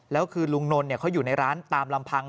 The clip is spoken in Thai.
แล้วคือลุงนนท์เขาอยู่ในร้านตามลำพัง